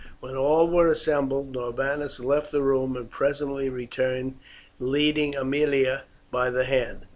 When all were assembled Norbanus left the room, and presently returned leading Aemilia by the hand.